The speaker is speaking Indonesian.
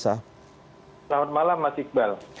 selamat malam mas iqbal